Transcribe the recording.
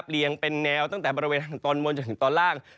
เรียงเป็นแนวตั้งแต่บริเวณทางตอนบนจนถึงตอนล่าง